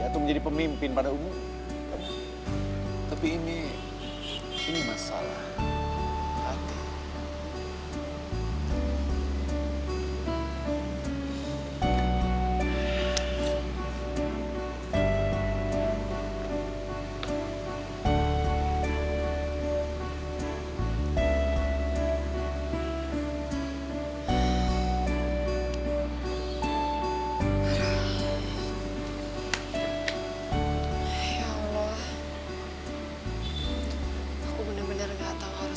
cuma gue lebih suka main motor